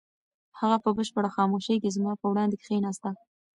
هغه په بشپړه خاموشۍ کې زما په وړاندې کښېناسته.